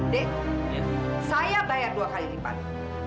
dek saya bayar dua kali di pali